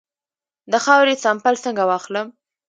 د خاورې سمپل څنګه واخلم؟